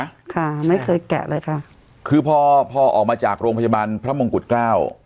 ในถุงอยู่เลยนะค่ะไม่เคยแกะเลยค่ะคือพ่อพ่อออกมาจากโรงพจบันพระมงกุฎเก้า